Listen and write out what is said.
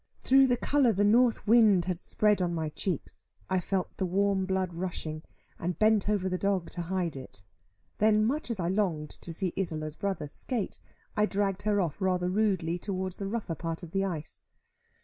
Through, the colour the north wind had spread on my cheeks, I felt the warm blood rushing, and bent over the dog to hide it; then much as I longed to see Isola's brother skate, I dragged her off rather rudely towards the rougher part of the ice.